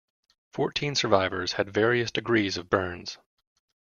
Fourteen survivors had various degrees of burns.